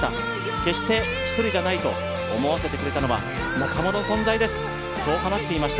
決して１人じゃないと思わせてくれたのは仲間の存在です、そう話していました。